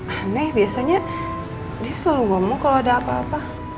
aneh biasanya dia selalu ngomong kalo ada apa apa